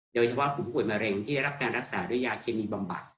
โดยเฉพาะผู้ป่วยมะเร็งที่ได้รับการรักษาด้วยยาเคมีบำบัด